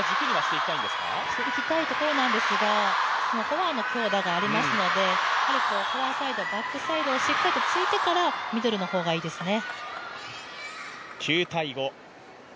していきたいところなんですが、フォアの強打がありますので、フォアサイド、バックサイドをしっかり突いてからミドルの方がいいですね。